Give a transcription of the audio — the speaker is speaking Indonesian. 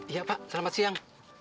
iya pak selamat siang